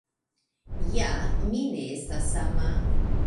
Ja mi ne estas sama.